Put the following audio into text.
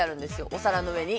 お皿の上に。